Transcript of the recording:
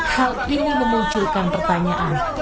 hal ini memunculkan pertanyaan